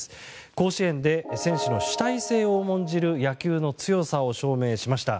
甲子園で選手の主体性を重んじる野球の強さを証明しました。